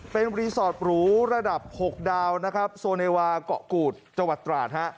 เป็นรีสอร์ทหรูระดับ๖ดาวนะครับโซเนวาเกาะกูดจังหวัดตราดฮะ